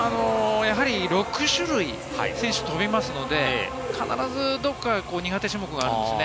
６種類を選手は飛びますので、必ずどこか苦手種目があるんですね。